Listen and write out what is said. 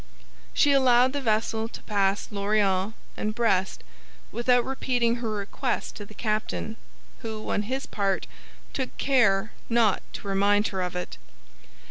She allowed the vessel to pass Lorient and Brest without repeating her request to the captain, who, on his part, took care not to remind her of it.